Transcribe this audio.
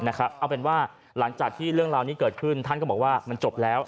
เอาเป็นว่าหลังจากที่เรื่องราวนี้เกิดขึ้นท่านก็บอกว่ามันจบแล้ว